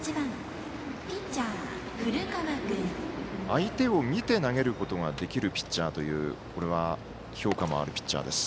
相手を見て投げることができるピッチャーという評価もあるピッチャーです。